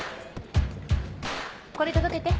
これ届けて。